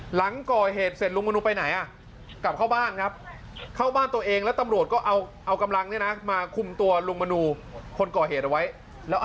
หลังก่อเหตุเสร็จลุงมนูไปไหนอ่ะ